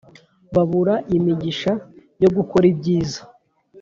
babura imigisha yo gukora ibyiza